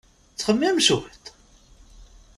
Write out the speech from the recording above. Ttxemmim cwiṭ!